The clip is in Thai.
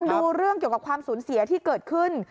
ดูเรื่องเกี่ยวกับความสูญเสียที่เกิดขึ้น